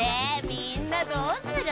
みんなどうする？